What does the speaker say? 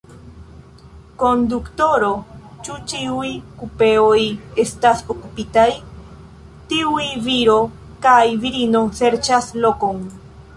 Konduktoro, ĉu ĉiuj kupeoj estas okupitaj? tiuj viro kaj virino serĉas lokon.